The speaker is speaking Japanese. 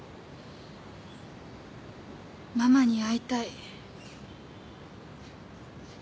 ママに会いたい。